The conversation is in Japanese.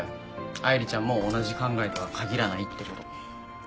愛梨ちゃんも同じ考えとは限らないってこと。